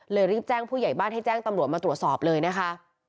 รีบแจ้งผู้ใหญ่บ้านให้แจ้งตำรวจมาตรวจสอบเลยนะคะ